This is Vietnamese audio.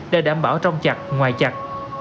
để đảm bảo trong chặt ngoài chặt